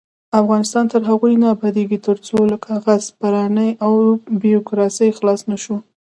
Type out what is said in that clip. افغانستان تر هغو نه ابادیږي، ترڅو له کاغذ پرانۍ او بیروکراسۍ خلاص نشو.